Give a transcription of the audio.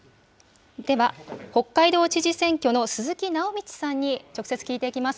では、北海道知事選挙の鈴木直道さんに直接聞いていきます。